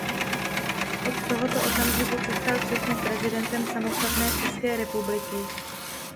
Od tohoto okamžiku se stal třetím prezidentem samostatné České republiky.